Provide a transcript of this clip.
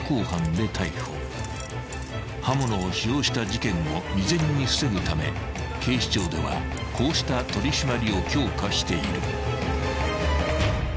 ［刃物を使用した事件を未然に防ぐため警視庁ではこうした取り締まりを強化している］